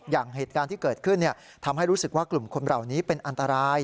อย่างเหตุการณ์ที่เกิดขึ้นทำให้รู้สึกว่ากลุ่มคนเหล่านี้เป็นอันตราย